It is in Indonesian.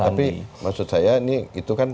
tapi maksud saya ini itu kan